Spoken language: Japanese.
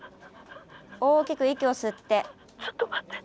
大きく息を吸って。